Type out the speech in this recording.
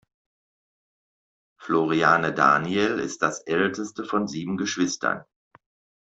Floriane Daniel ist das älteste von sieben Geschwistern.